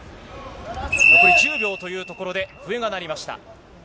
残り１０秒というところで、笛が鳴りました。